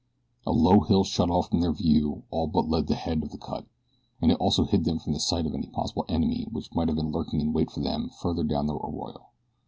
A low hill shut off from their view all but the head of the cut, and it also hid them from the sight of any possible enemy which might have been lurking in wait for them farther down the arroyo.